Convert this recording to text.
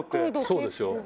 そうですね。